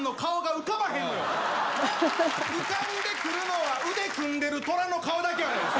浮かんでくるのは腕組んでる虎の顔だけやねん！